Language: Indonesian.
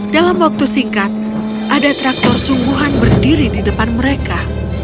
dalam waktu singkat ada traktor sungguhan berdiri di depan mereka